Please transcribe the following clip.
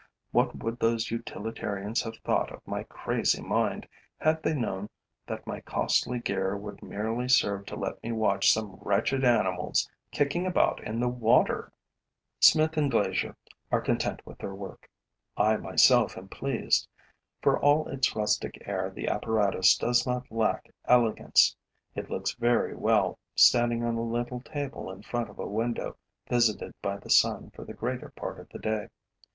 What would those utilitarians have thought of my crazy mind, had they known that my costly gear would merely serve to let me watch some wretched animals kicking about in the water! Smith and glazier are content with their work. I myself am pleased. For all its rustic air, the apparatus does not lack elegance. It looks very well, standing on a little table in front of a window visited by the sun for the greater part of the day.